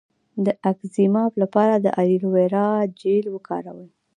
د اکزیما لپاره د ایلوویرا جیل وکاروئ